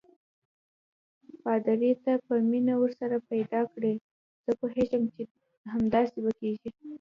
پادري: ته به مینه ورسره پیدا کړې، زه پوهېږم چې همداسې به کېږي.